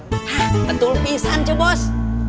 hah betul pisan cuy bos